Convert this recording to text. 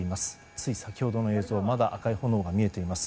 つい先ほどの映像まだ赤い炎が見えています。